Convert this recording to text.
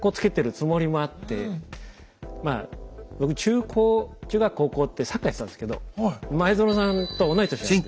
まあ僕中高中学高校ってサッカーやってたんですけど前園さんと同い年なんですよ。